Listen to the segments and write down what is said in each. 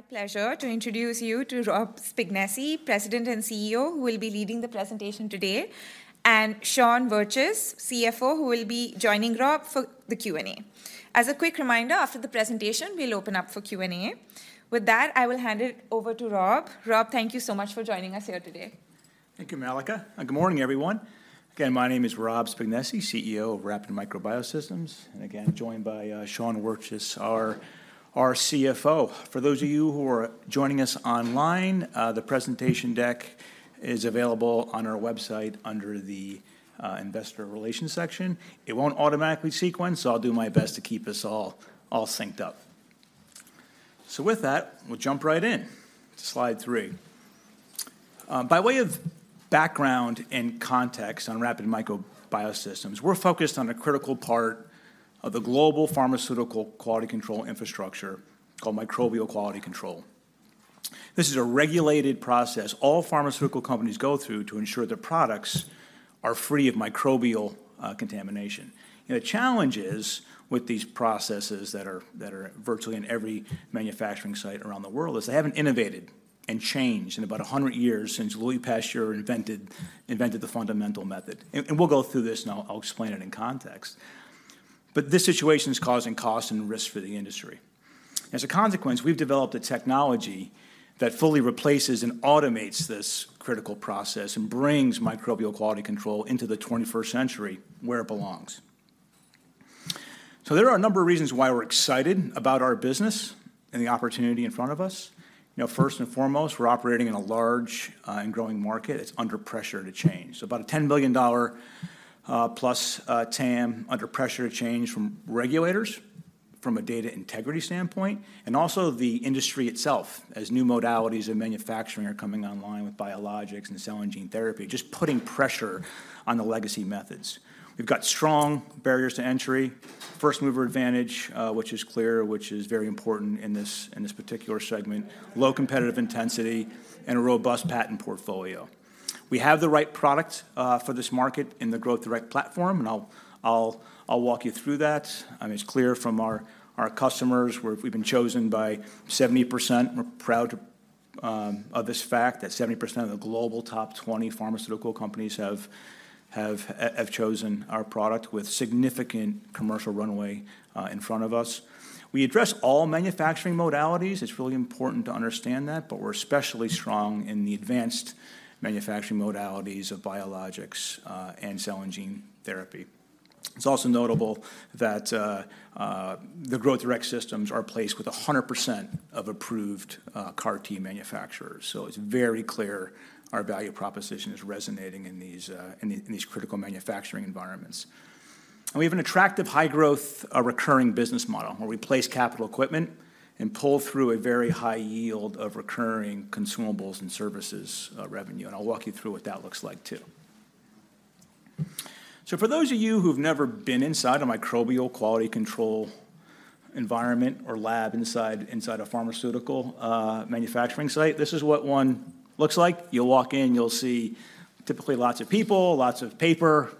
My pleasure to introduce you to Rob Spignesi, President and CEO, who will be leading the presentation today, and Sean Wirtjes, CFO, who will be joining Rob for the Q&A. As a quick reminder, after the presentation, we'll open up for Q&A. With that, I will hand it over to Rob. Rob, thank you so much for joining us here today. Thank you, Malika. Good morning, everyone. Again, my name is Rob Spignesi, CEO of Rapid Micro Biosystems, and again, joined by Sean Wirtjes, our CFO. For those of you who are joining us online, the presentation deck is available on our website under the Investor Relations section. It won't automatically sequence, so I'll do my best to keep us all synced up. So with that, we'll jump right in to slide three. By way of background and context on Rapid Micro Biosystems, we're focused on a critical part of the global pharmaceutical quality control infrastructure called microbial quality control. This is a regulated process all pharmaceutical companies go through to ensure their products are free of microbial contamination. The challenge is, with these processes that are virtually in every manufacturing site around the world, is they haven't innovated and changed in about 100 years since Louis Pasteur invented the fundamental method. We'll go through this, and I'll explain it in context. But this situation is causing costs and risks for the industry. As a consequence, we've developed a technology that fully replaces and automates this critical process and brings microbial quality control into the 21st century, where it belongs. So there are a number of reasons why we're excited about our business and the opportunity in front of us. You know, first and foremost, we're operating in a large and growing market. It's under pressure to change. So about a $10 billion+ TAM under pressure to change from regulators, from a data integrity standpoint, and also the industry itself, as new modalities of manufacturing are coming online with biologics and cell and gene therapy, just putting pressure on the legacy methods. We've got strong barriers to entry, first-mover advantage, which is clear, which is very important in this, in this particular segment, low competitive intensity, and a robust patent portfolio. We have the right product for this market in the Growth Direct platform, and I'll walk you through that. It's clear from our customers, we've been chosen by 70%. We're proud of this fact, that 70% of the global top 20 pharmaceutical companies have chosen our product with significant commercial runway in front of us. We address all manufacturing modalities. It's really important to understand that, but we're especially strong in the advanced manufacturing modalities of biologics, and cell and gene therapy. It's also notable that, the Growth Direct systems are placed with 100% of approved, CAR T manufacturers. So it's very clear our value proposition is resonating in these, in these critical manufacturing environments. And we have an attractive, high-growth, recurring business model, where we place capital equipment and pull through a very high yield of recurring consumables and services, revenue, and I'll walk you through what that looks like, too. So for those of you who've never been inside a microbial quality control environment or lab inside a pharmaceutical, manufacturing site, this is what one looks like. You'll walk in, you'll see typically lots of people, lots of paper,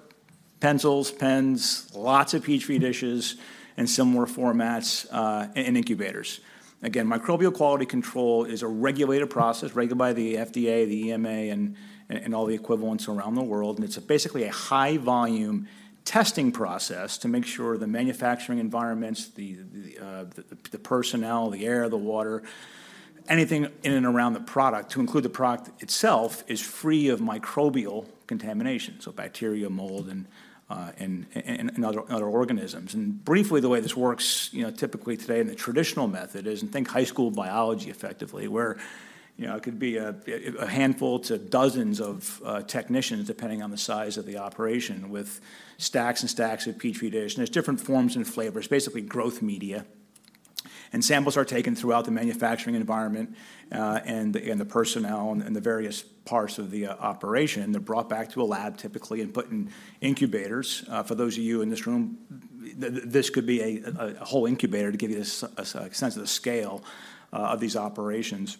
pencils, pens, lots of Petri dishes, and similar formats, and incubators. Again, microbial quality control is a regulated process, regulated by the FDA, the EMA, and all the equivalents around the world. And it's basically a high-volume testing process to make sure the manufacturing environments, the personnel, the air, the water, anything in and around the product, to include the product itself, is free of microbial contamination, so bacteria, mold, and other organisms. And briefly, the way this works, you know, typically today in the traditional method is, and think high school biology, effectively, where, you know, it could be a handful to dozens of technicians, depending on the size of the operation, with stacks and stacks of Petri dishes. And there's different forms and flavors, basically growth media. Samples are taken throughout the manufacturing environment, and the personnel and the various parts of the operation. They're brought back to a lab, typically, and put in incubators. For those of you in this room, this could be a whole incubator, to give you a sense of the scale of these operations.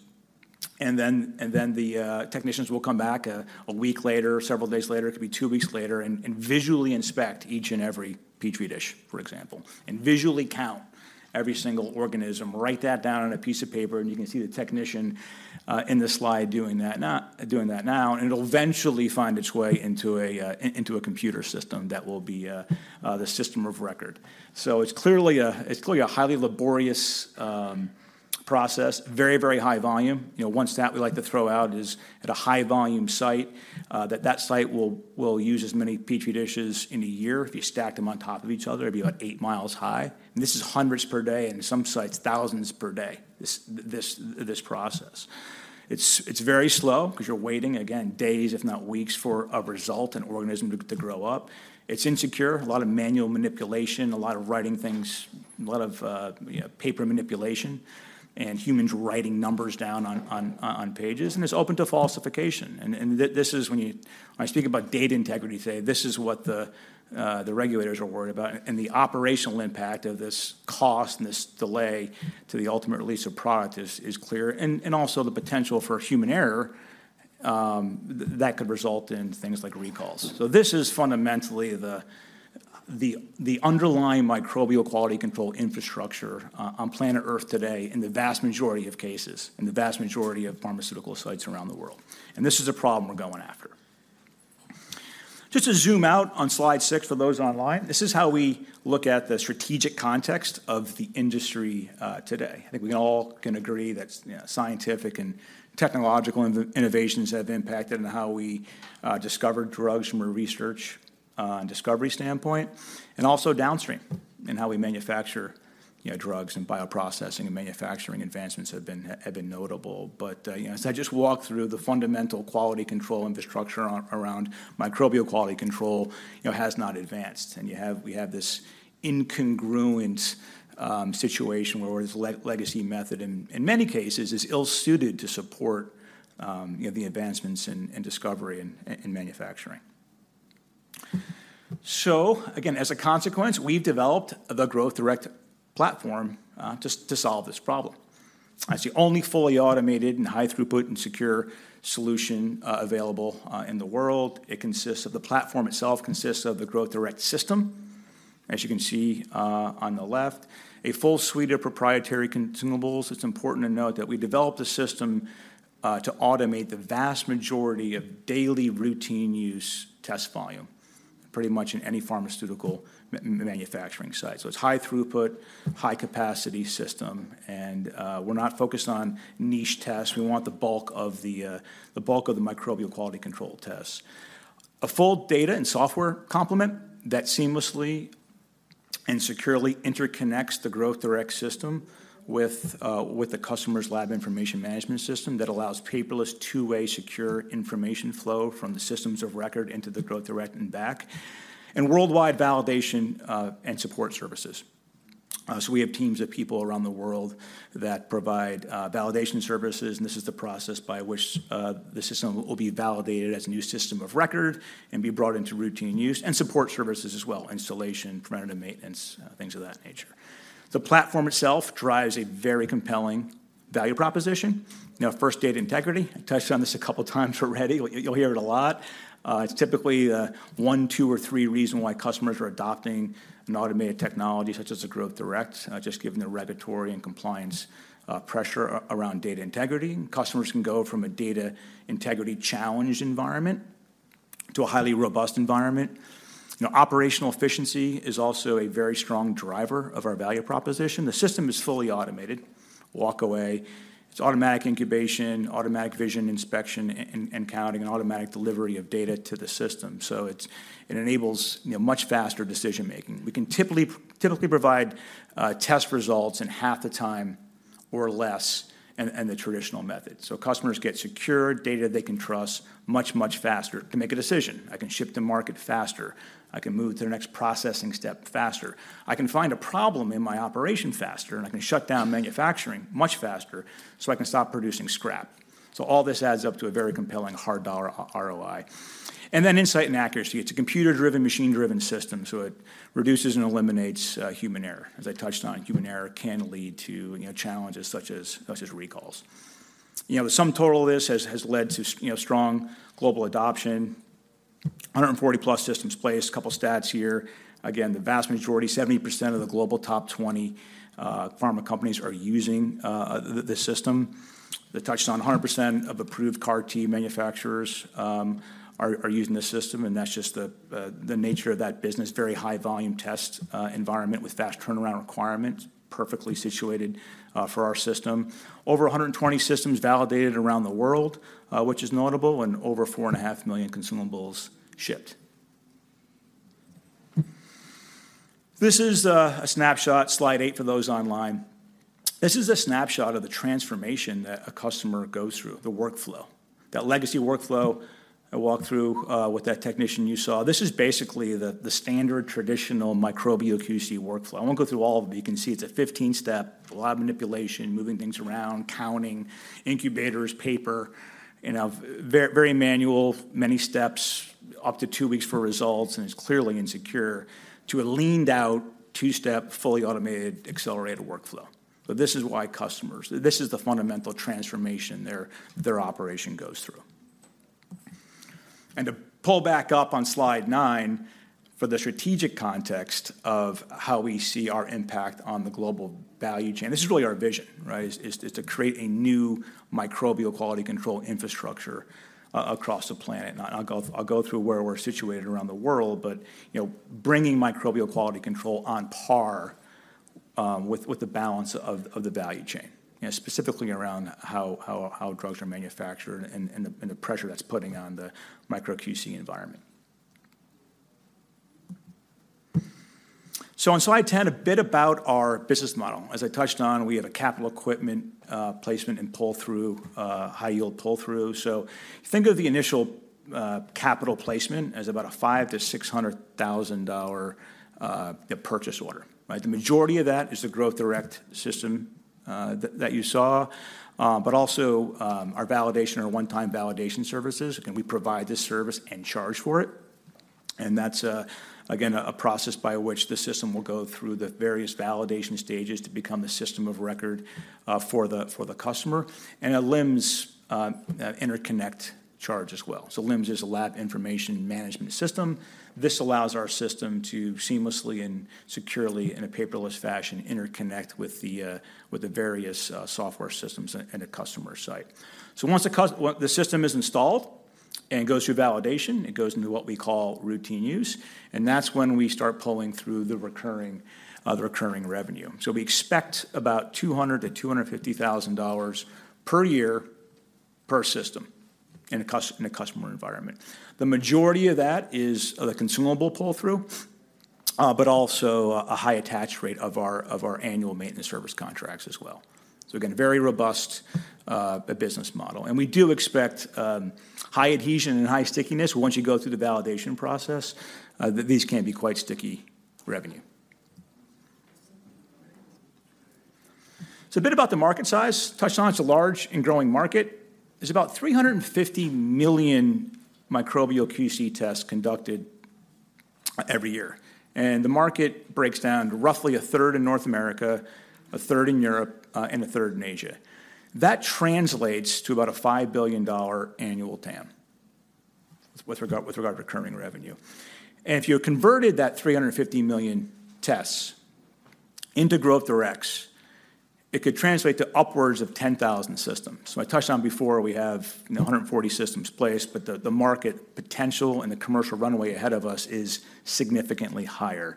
Then the technicians will come back a week later, several days later, or two weeks later, and visually inspect each and every Petri dish, for example, and visually count every single organism, write that down on a piece of paper, and you can see the technician in the slide doing that now, and it'll eventually find its way into a computer system that will be the system of record. So it's clearly a highly laborious process, very, very high volume. You know, one stat we like to throw out is, at a high-volume site, that site will use as many Petri dishes in a year, if you stacked them on top of each other, it'd be about 8 mi high. This is hundreds per day, and in some sites, thousands per day, this process. It's very slow because you're waiting, again, days, if not weeks, for a result, an organism to grow up. It's insecure, a lot of manual manipulation, a lot of writing things, a lot of, you know, paper manipulation, and humans writing numbers down on pages. And it's open to falsification, and this is when I speak about data integrity today, this is what the regulators are worried about, and the operational impact of this cost and this delay to the ultimate release of product is clear, and also the potential for human error that could result in things like recalls. So this is fundamentally the-... The underlying microbial quality control infrastructure on Planet Earth today in the vast majority of cases, in the vast majority of pharmaceutical sites around the world, and this is a problem we're going after. Just to zoom out on slide 6 for those online, this is how we look at the strategic context of the industry today. I think we can all agree that, you know, scientific and technological innovations have impacted on how we discover drugs from a research and discovery standpoint, and also downstream in how we manufacture, you know, drugs, and bioprocessing and manufacturing advancements have been notable. But you know, as I just walked through, the fundamental quality control infrastructure around microbial quality control, you know, has not advanced, and we have this incongruent situation where this legacy method, in many cases, is ill-suited to support you know, the advancements in discovery and manufacturing. So again, as a consequence, we've developed the Growth Direct platform to solve this problem. It's the only fully automated and high-throughput and secure solution available in the world. The platform itself consists of the Growth Direct system, as you can see on the left, a full suite of proprietary consumables. It's important to note that we developed the system to automate the vast majority of daily routine use test volume, pretty much in any pharmaceutical manufacturing site. So it's high-throughput, high-capacity system, and we're not focused on niche tests. We want the bulk of the microbial quality control tests. A full data and software complement that seamlessly and securely interconnects the Growth Direct system with the customer's Lab Information Management System, that allows paperless, two-way, secure information flow from the systems of record into the Growth Direct and back, and worldwide validation and support services. So we have teams of people around the world that provide validation services, and this is the process by which the system will be validated as a new system of record and be brought into routine use and support services as well, installation, preventative maintenance, things of that nature. The platform itself drives a very compelling value proposition. You know, first, data integrity. I touched on this a couple times already. You'll hear it a lot. It's typically the 1, 2, or 3 reason why customers are adopting an automated technology, such as the Growth Direct, just given the regulatory and compliance pressure around data integrity. Customers can go from a data integrity challenged environment to a highly robust environment. You know, operational efficiency is also a very strong driver of our value proposition. The system is fully automated, walk-away. It's automatic incubation, automatic vision inspection, and counting, and automatic delivery of data to the system. So it's it enables, you know, much faster decision-making. We can typically provide test results in half the time or less in the traditional method. So customers get secure data they can trust much faster. They can make a decision. "I can ship to market faster. I can move to the next processing step faster. I can find a problem in my operation faster, and I can shut down manufacturing much faster, so I can stop producing scrap." So all this adds up to a very compelling hard dollar ROI. Then insight and accuracy. It's a computer-driven, machine-driven system, so it reduces and eliminates human error. As I touched on, human error can lead to, you know, challenges, such as recalls. You know, the sum total of this has led to strong global adoption, 140+ systems placed. A couple stats here. Again, the vast majority, 70% of the Global Top 20 pharma companies are using the system. I touched on 100% of approved CAR T manufacturers are using this system, and that's just the nature of that business, very high volume test environment with fast turnaround requirements, perfectly situated for our system. Over 120 systems validated around the world, which is notable, and over 4.5 million consumables shipped. This is a snapshot, slide 8, for those online. This is a snapshot of the transformation that a customer goes through, the workflow. That legacy workflow I walked through with that technician you saw, this is basically the standard traditional microbial QC workflow. I won't go through all of it, but you can see it's a 15-step, a lot of manipulation, moving things around, counting, incubators, paper, you know, very manual, many steps, up to 2 weeks for results, and it's clearly insecure, to a leaned out, 2-step, fully automated, accelerated workflow. So this is why customers. This is the fundamental transformation their operation goes through. And to pull back up on slide 9, for the strategic context of how we see our impact on the global value chain, this is really our vision, right? it's to create a new microbial quality control infrastructure across the planet. I'll go through where we're situated around the world, but, you know, bringing microbial quality control on par with the balance of the value chain, you know, specifically around how drugs are manufactured and the pressure that's putting on the micro QC environment. On slide 10, a bit about our business model. As I touched on, we have a capital equipment placement and pull-through high-yield pull-through. So think of the initial capital placement as about a $500,000-$600,000 purchase order, right? The majority of that is the Growth Direct system that you saw, but also our validation, our one-time validation services, and we provide this service and charge for it. That's again a process by which the system will go through the various validation stages to become a system of record for the customer, and a LIMS interconnect charge as well. So LIMS is a Lab Information Management System. This allows our system to seamlessly and securely, in a paperless fashion, interconnect with the various software systems at a customer site. So once the system is installed and goes through validation, it goes into what we call routine use, and that's when we start pulling through the recurring revenue. So we expect about $200,000-$250,000 per year per system in a customer environment. The majority of that is the consumable pull-through, but also a high attach rate of our annual maintenance service contracts as well. So again, a very robust business model. And we do expect high adhesion and high stickiness once you go through the validation process, these can be quite sticky revenue. So a bit about the market size. Touched on it's a large and growing market. There's about 350 million microbial QC tests conducted every year, and the market breaks down to roughly a third in North America, a third in Europe, and a third in Asia. That translates to about a $5 billion annual TAM with regard to recurring revenue. And if you converted that 350 million tests into Growth Directs, it could translate to upwards of 10,000 systems. So I touched on before, we have, you know, 140 systems placed, but the market potential and the commercial runway ahead of us is significantly higher.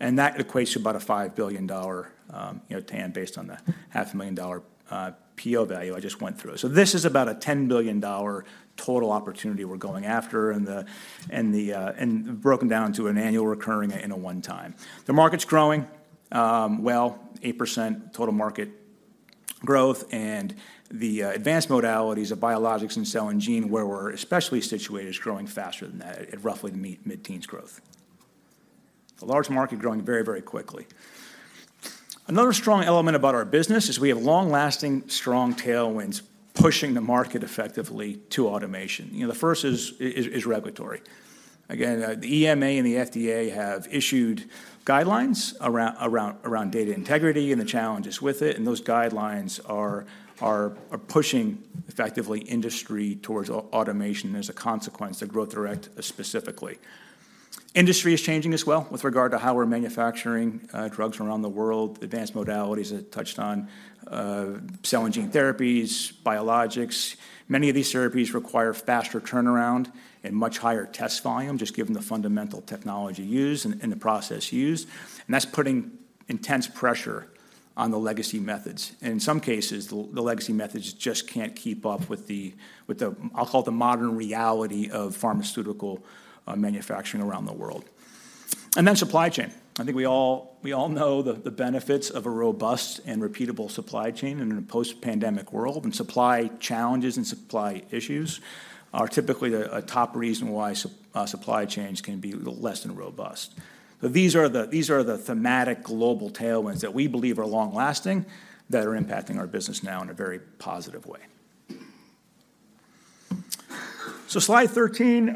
And that equates to about a $5 billion, you know, TAM, based on the $500,000 PO value I just went through. So this is about a $10 billion total opportunity we are going after, and broken down into an annual recurring and a one-time. The market's growing, well, 8% total market growth, and the advanced modalities of biologics and cell and gene, where we're especially situated, is growing faster than that at roughly mid-teens growth. A large market growing very, very quickly. Another strong element about our business is we have long-lasting, strong tailwinds pushing the market effectively to automation. You know, the first is regulatory. Again, the EMA and the FDA have issued guidelines around data integrity and the challenges with it, and those guidelines are pushing effectively industry towards automation. There's a consequence to Growth Direct specifically. Industry is changing as well with regard to how we're manufacturing drugs around the world. Advanced modalities, I touched on, cell and gene therapies, biologics. Many of these therapies require faster turnaround and much higher test volume, just given the fundamental technology used and the process used. And that's putting intense pressure on the legacy methods. In some cases, the legacy methods just can't keep up with the, I'll call it the modern reality of pharmaceutical manufacturing around the world. Then supply chain. I think we all know the benefits of a robust and repeatable supply chain in a post-pandemic world, and supply challenges and supply issues are typically a top reason why supply chains can be less than robust. But these are the thematic global tailwinds that we believe are long-lasting, that are impacting our business now in a very positive way. So slide 13,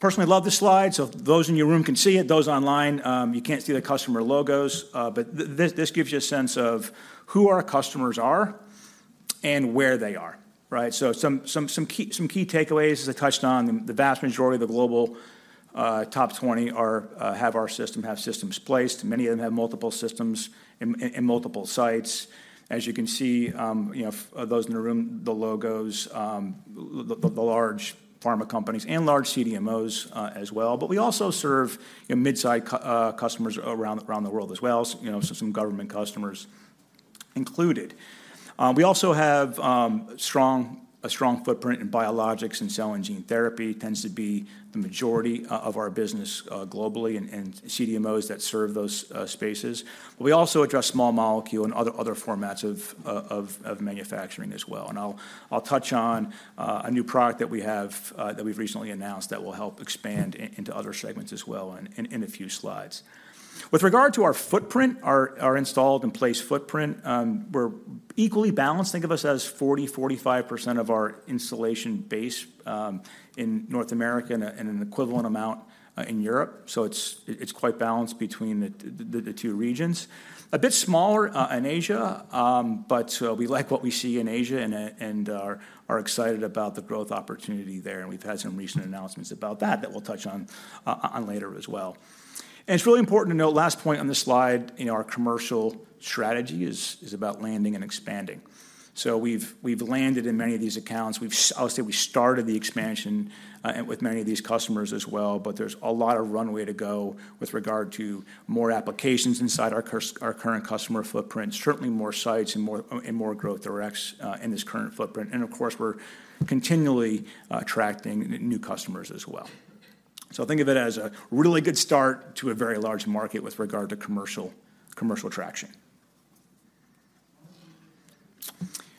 personally, love this slide. So those in your room can see it. Those online, you can't see the customer logos, but this gives you a sense of who our customers are and where they are, right? So some key takeaways, as I touched on, the vast majority of the global top 20 are have our system, have systems placed. Many of them have multiple systems in multiple sites. As you can see, you know, those in the room, the logos, the large pharma companies and large CDMOs, as well. But we also serve mid-size customers around the world as well, so, you know, some government customers included. We also have a strong footprint in biologics and cell and gene therapy, tends to be the majority of our business, globally, and CDMOs that serve those spaces. We also address small molecule and other formats of manufacturing as well. And I'll touch on a new product that we have that we've recently announced that will help expand into other segments as well in a few slides. With regard to our footprint, our installed and placed footprint, we're equally balanced. Think of us as 40%-45% of our installation base in North America and an equivalent amount in Europe. So it's quite balanced between the two regions. A bit smaller in Asia, but we like what we see in Asia and are excited about the growth opportunity there, and we've had some recent announcements about that that we'll touch on later as well. And it's really important to note, last point on this slide, you know, our commercial strategy is about landing and expanding. So we've landed in many of these accounts. We've obviously started the expansion and with many of these customers as well, but there's a lot of runway to go with regard to more applications inside our current customer footprint, certainly more sites and more Growth Directs in this current footprint. And of course, we're continually attracting new customers as well. So think of it as a really good start to a very large market with regard to commercial traction.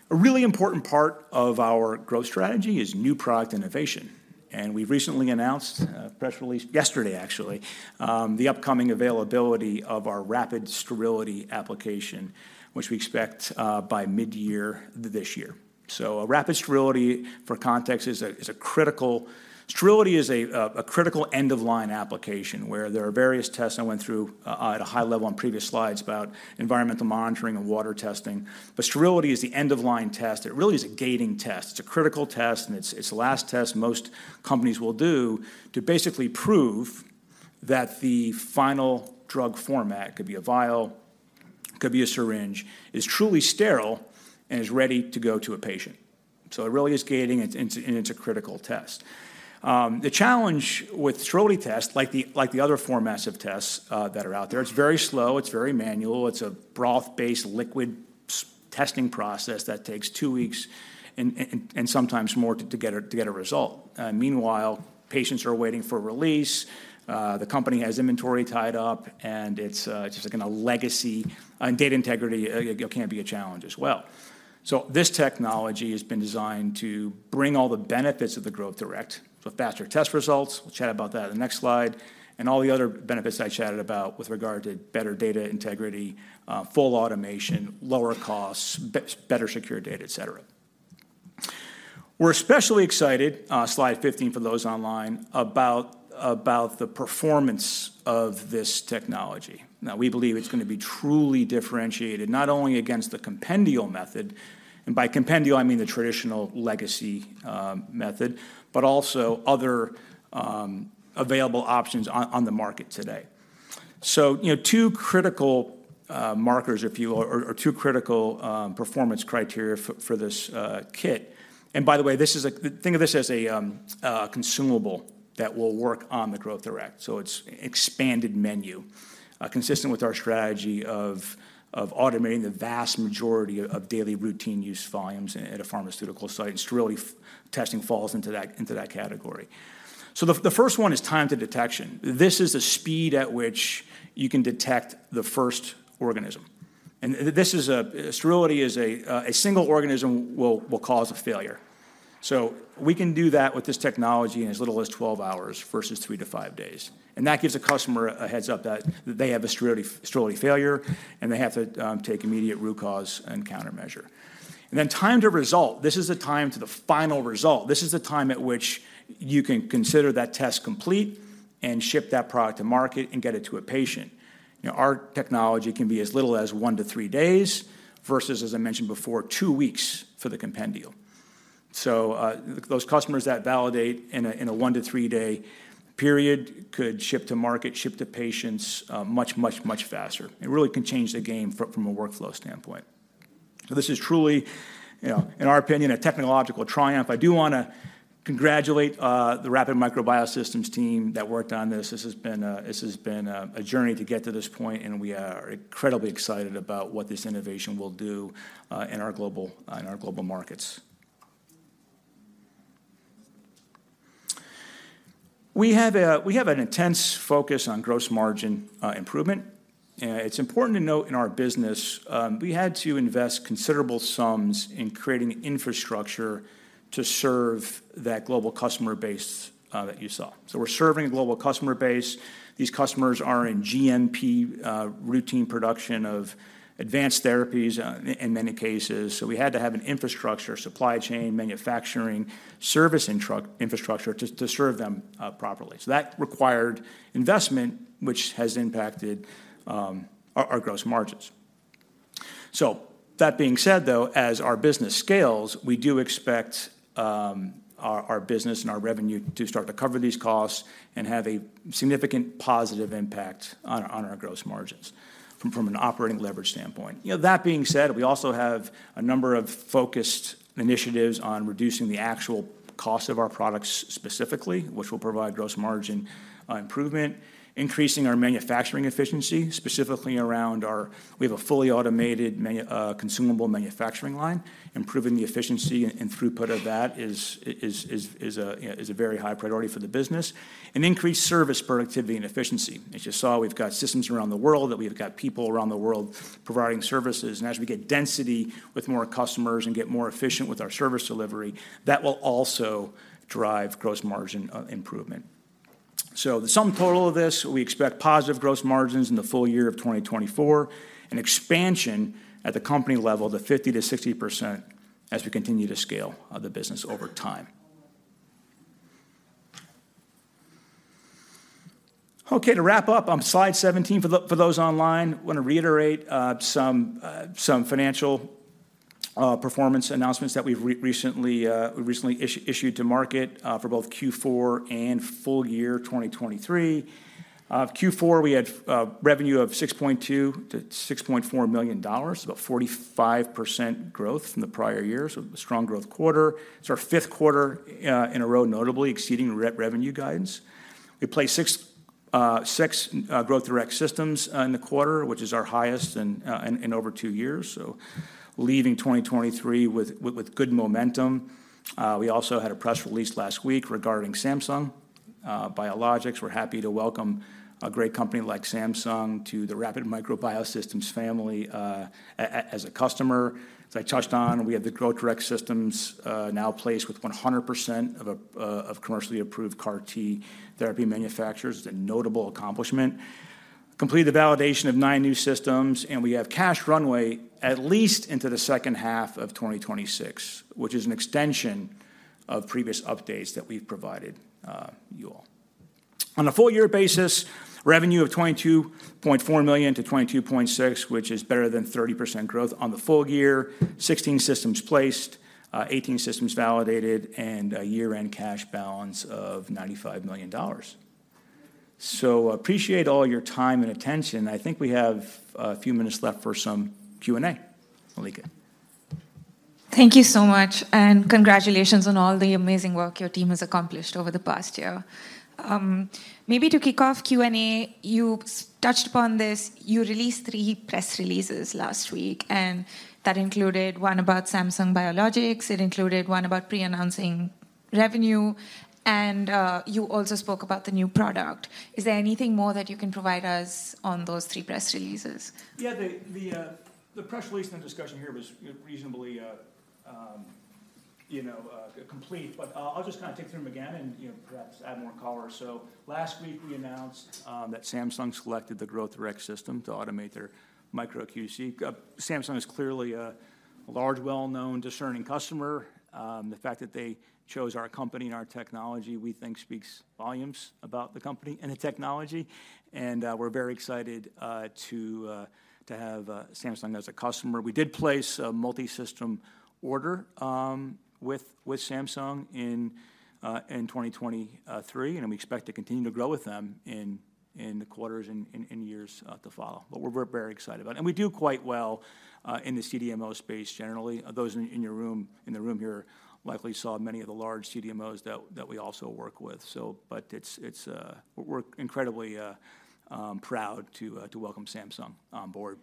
A really important part of our growth strategy is new product innovation, and we've recently announced a press release, yesterday actually, the upcoming availability of our Rapid Sterility application, which we expect by mid-year this year. So a Rapid Sterility, for context, is a critical. Sterility is a critical end-of-line application, where there are various tests I went through at a high level on previous slides about environmental monitoring and water testing. But sterility is the end-of-line test. It really is a gating test. It's a critical test, and it's the last test most companies will do to basically prove that the final drug format, could be a vial, could be a syringe, is truly sterile and is ready to go to a patient. So it really is gating, and it's a critical test. The challenge with sterility tests, like the other formats of tests that are out there, it's very slow, it's very manual, it's a broth-based liquid testing process that takes two weeks and sometimes more to get a result. Meanwhile, patients are waiting for release, the company has inventory tied up, and it's just like in a legacy, and data integrity can be a challenge as well. So this technology has been designed to bring all the benefits of the Growth Direct, so faster test results, we'll chat about that in the next slide, and all the other benefits I chatted about with regard to better data integrity, full automation, lower costs, better secure data, et cetera. We're especially excited, slide 15 for those online, about the performance of this technology. Now, we believe it's going to be truly differentiated, not only against the compendial method, and by compendial, I mean the traditional legacy method, but also other available options on the market today. So, you know, two critical markers, if you will, or two critical performance criteria for this kit. And by the way, think of this as a consumable that will work on the Growth Direct, so it's expanded menu. Consistent with our strategy of automating the vast majority of daily routine use volumes at a pharmaceutical site, and sterility testing falls into that category. So the first one is time to detection. This is the speed at which you can detect the first organism. And this is sterility: a single organism will cause a failure. So we can do that with this technology in as little as 12 hours versus 3-5 days. And that gives the customer a heads-up that they have a sterility failure, and they have to take immediate root cause and countermeasure. And then time to result. This is the time to the final result. This is the time at which you can consider that test complete and ship that product to market and get it to a patient. You know, our technology can be as little as 1-3 days versus, as I mentioned before, 2 weeks for the compendial. So, those customers that validate in a 1-3-day period could ship to market, ship to patients much, much, much faster. It really can change the game from a workflow standpoint. This is truly, you know, in our opinion, a technological triumph. I do want to congratulate the Rapid Micro Biosystems team that worked on this. This has been a journey to get to this point, and we are incredibly excited about what this innovation will do in our global markets. We have an intense focus on gross margin improvement. It's important to note in our business, we had to invest considerable sums in creating infrastructure to serve that global customer base that you saw. So we're serving a global customer base. These customers are in GMP routine production of advanced therapies in many cases. So we had to have an infrastructure, supply chain, manufacturing, service infrastructure to serve them properly. So that required investment, which has impacted our gross margins. So that being said, though, as our business scales, we do expect our business and our revenue to start to cover these costs and have a significant positive impact on our gross margins from an operating leverage standpoint. You know, that being said, we also have a number of focused initiatives on reducing the actual cost of our products, specifically, which will provide gross margin improvement, increasing our manufacturing efficiency, specifically around our. We have a fully automated consumable manufacturing line. Improving the efficiency and throughput of that is a very high priority for the business. And increased service productivity and efficiency. As you saw, we've got systems around the world, that we've got people around the world providing services. And as we get density with more customers and get more efficient with our service delivery, that will also drive gross margin improvement. So the sum total of this, we expect positive gross margins in the full year of 2024, and expansion at the company level to 50%-60% as we continue to scale the business over time. Okay, to wrap up on slide 17 for those online, I want to reiterate some financial performance announcements that we've recently issued to market for both Q4 and full year 2023. Q4, we had revenue of $6.2 million to $6.4 million, 45% growth from the prior year, so a strong growth quarter. It's our fifth quarter in a row, notably exceeding revenue guidance. We placed six Growth Direct systems in the quarter, which is our highest in over two years, so leaving 2023 with good momentum. We also had a press release last week regarding Samsung Biologics. We're happy to welcome a great company like Samsung to the Rapid Micro Biosystems family, as a customer. As I touched on, we have the Growth Direct systems now placed with 100% of commercially approved CAR T therapy manufacturers. A notable accomplishment. Completed the validation of 9 new systems, and we have cash runway at least into the second half of 2026, which is an extension of previous updates that we've provided, you all. On a full year basis, revenue of $22.4 million to $22.6 million, which is better than 30% growth on the full year. 16 systems placed, 18 systems validated, and a year-end cash balance of $95 million. So appreciate all your time and attention. I think we have a few minutes left for some Q&A. Mallika? Thank you so much, and congratulations on all the amazing work your team has accomplished over the past year. Maybe to kick off Q&A, you touched upon this: you released three press releases last week, and that included one about Samsung Biologics, it included one about pre-announcing revenue, and you also spoke about the new product. Is there anything more that you can provide us on those three press releases? Yeah, the press release and the discussion here was reasonably, you know, complete, but I'll just kind of take them again and, you know, perhaps add more color. So last week, we announced that Samsung selected the Growth Direct system to automate their micro QC. Samsung is clearly a large, well-known, discerning customer. The fact that they chose our company and our technology, we think speaks volumes about the company and the technology, and we're very excited to have Samsung as a customer. We did place a multi-system order with Samsung in 2023, and we expect to continue to grow with them in the quarters and years to follow. But we're very excited about it. We do quite well in the CDMO space, generally. Those in the room here likely saw many of the large CDMOs that we also work with. But it's... We're incredibly proud to welcome Samsung on board.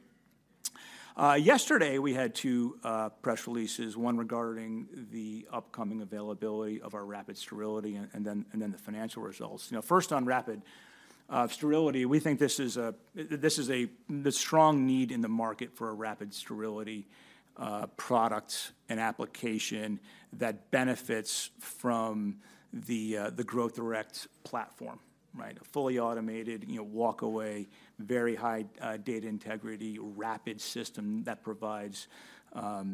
Yesterday, we had two press releases, one regarding the upcoming availability of our Rapid Sterility and then the financial results. You know, first, on Rapid Sterility, we think this is a strong need in the market for a Rapid Sterility product and application that benefits from the Growth Direct platform, right? A fully automated, you know, walk away, very high data integrity, rapid system that provides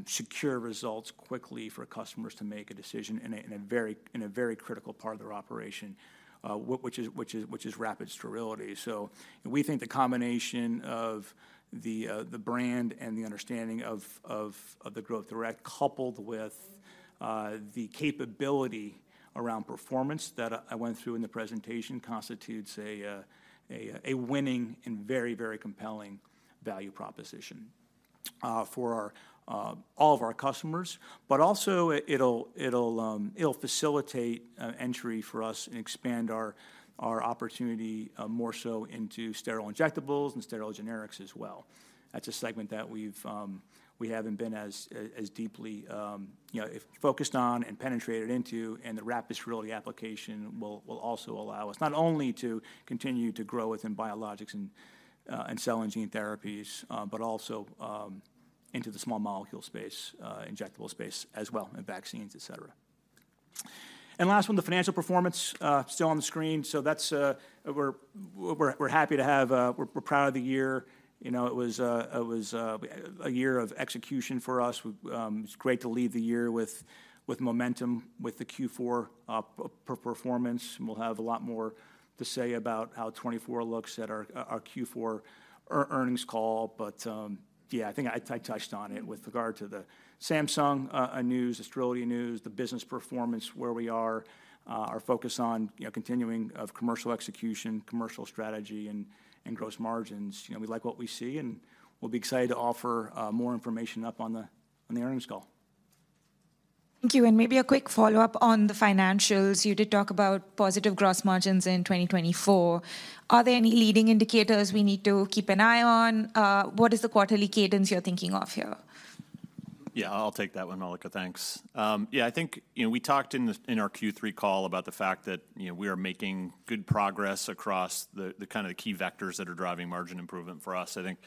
secure results quickly for customers to make a decision in a very critical part of their operation, which is Rapid Sterility. So we think the combination of the brand and the understanding of the Growth Direct, coupled with the capability around performance that I went through in the presentation, constitutes a winning and very, very compelling value proposition for all of our customers. But also, it'll facilitate entry for us and expand our opportunity more so into sterile injectables and sterile generics as well. That's a segment that we haven't been as deeply, you know, focused on and penetrated into, and the Rapid Sterility application will also allow us not only to continue to grow within biologics and cell and gene therapies, but also into the small molecule space, injectable space as well, and vaccines, et cetera. And last one, the financial performance still on the screen. So that's. We're happy to have... We're proud of the year. You know, it was a year of execution for us. It's great to leave the year with momentum, with the Q4 performance. We'll have a lot more to say about how 2024 looks at our Q4 earnings call. But, yeah, I think I touched on it with regard to the Samsung news, the sterility news, the business performance, where we are, our focus on, you know, continuing of commercial execution, commercial strategy, and, and gross margins. You know, we like what we see, and we'll be excited to offer more information up on the earnings call. Thank you, and maybe a quick follow-up on the financials. You did talk about positive gross margins in 2024. Are there any leading indicators we need to keep an eye on? What is the quarterly cadence you're thinking of here? Yeah, I'll take that one, Mallika. Thanks. Yeah, I think, you know, we talked in the, in our Q3 call about the fact that, you know, we are making good progress across the, the kind of key vectors that are driving margin improvement for us. I think,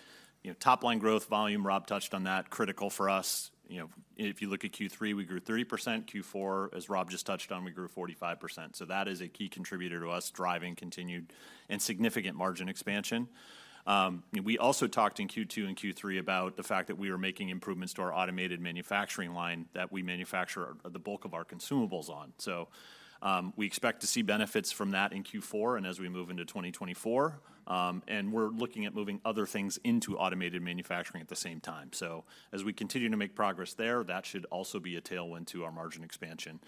you know, top-line growth volume, Rob touched on that, critical for us. You know, if you look at Q3, we grew 30%. Q4, as Rob just touched on, we grew 45%. So that is a key contributor to us driving continued and significant margin expansion. We also talked in Q2 and Q3 about the fact that we were making improvements to our automated manufacturing line that we manufacture our, the bulk of our consumables on. So, we expect to see benefits from that in Q4 and as we move into 2024, and we're looking at moving other things into automated manufacturing at the same time. So as we continue to make progress there, that should also be a tailwind to our margin expansion.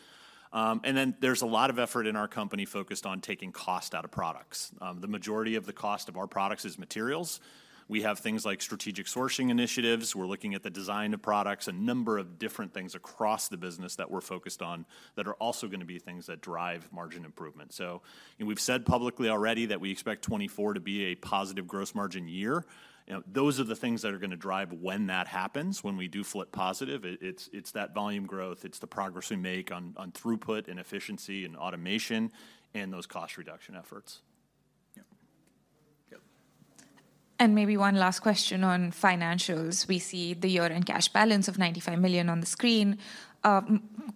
And then there's a lot of effort in our company focused on taking cost out of products. The majority of the cost of our products is materials. We have things like strategic sourcing initiatives. We're looking at the design of products, a number of different things across the business that we're focused on, that are also going to be things that drive margin improvement. And we've said publicly already that we expect 2024 to be a positive gross margin year. You know, those are the things that are going to drive when that happens, when we do flip positive. It's that volume growth, it's the progress we make on throughput and efficiency and automation and those cost reduction efforts. Yeah. Yeah. Maybe one last question on financials. We see the year-end cash balance of $95 million on the screen.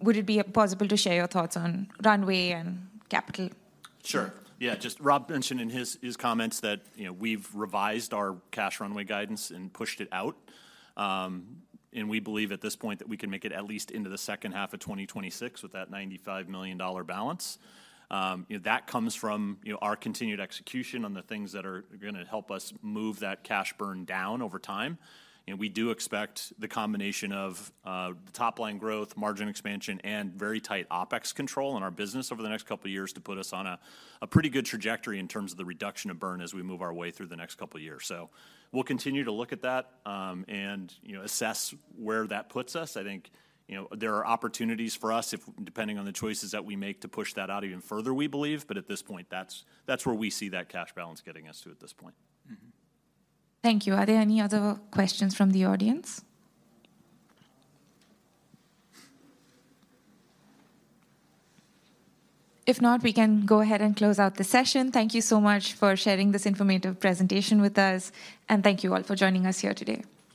Would it be possible to share your thoughts on runway and capital? Sure. Yeah, just Rob mentioned in his comments that, you know, we've revised our cash runway guidance and pushed it out. And we believe at this point that we can make it at least into the second half of 2026 with that $95 million balance. You know, that comes from, you know, our continued execution on the things that are gonna help us move that cash burn down over time. And we do expect the combination of top-line growth, margin expansion, and very tight OpEx control in our business over the next couple of years to put us on a pretty good trajectory in terms of the reduction of burn as we move our way through the next couple of years. So we'll continue to look at that, and, you know, assess where that puts us. I think, you know, there are opportunities for us if, depending on the choices that we make, to push that out even further, we believe, but at this point, that's, that's where we see that cash balance getting us to at this point. Mm-hmm. Thank you. Are there any other questions from the audience? If not, we can go ahead and close out the session. Thank you so much for sharing this informative presentation with us, and thank you all for joining us here today.